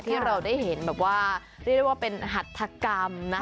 ที่เราได้เห็นแบบว่าเรียกได้ว่าเป็นหัตถกรรมนะ